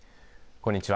こんにちは。